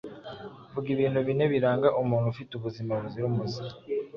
Vuga ibintu bine biranga umuntu ufite ubuzima buzira umuze.